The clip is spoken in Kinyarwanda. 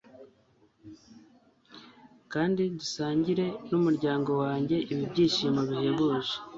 kandi dusangire n'umuryango wanjye ibi byishimo bihebuje